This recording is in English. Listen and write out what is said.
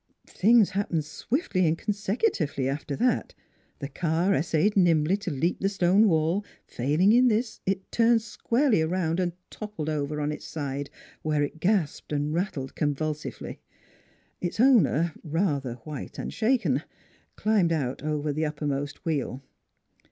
Things happened swiftly and consecutively after that: the car essayed nimbly to leap the stone wall; failing in this it turned squarely around and toppled over on its side, where it gasped and rattled convulsively. Its owner, rather white and shaken, climbed out over the uppermost wheel.